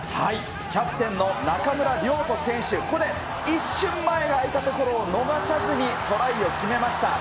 キャプテンの中村亮土選手、ここで一瞬前が空いたところを、逃さずにトライを決めました。